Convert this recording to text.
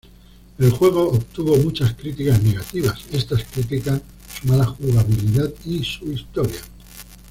El juego obtuvo muchas críticas negativas, estas critican su mala jugabilidad y su historia.